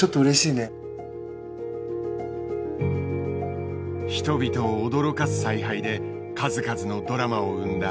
人々を驚かす采配で数々のドラマを生んだ三原マジック。